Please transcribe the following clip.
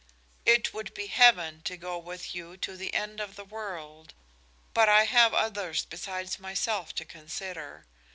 It would be Heaven to go with you to the end of the world, but I have others besides myself to consider.